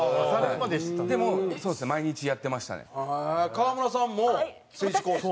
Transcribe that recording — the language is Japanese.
川村さんも選手コース？